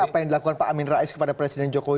apa yang dilakukan pak amin rais kepada presiden jokowi